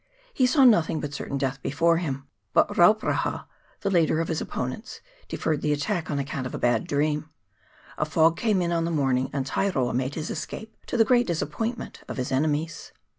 He saw nothing but certain death before him; but Rauparaha, the leader of his opponents, deferred the attack on account of a bad dream ; a fog came on in the morning, and Tairoa made his escape, to the great disappointment of his enemies.